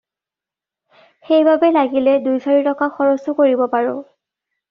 সেই বাবে লাগিলে দুই চাৰি টকা খৰচো কৰিব পাৰোঁ।